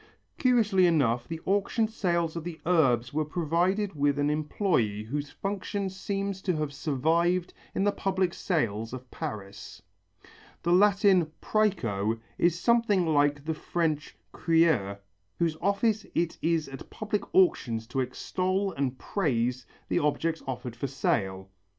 Curiously enough the auction sales of the Urbs were provided with an employé whose function seems to have survived in the public sales of Paris. The Latin præco is something like the French crieur whose office it is at public auctions to extol and praise the objects offered for sale.